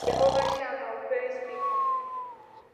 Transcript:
Jehovah Shammah upewe sifa